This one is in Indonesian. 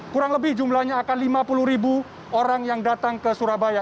kurang lebih jumlahnya akan lima puluh ribu orang yang datang ke surabaya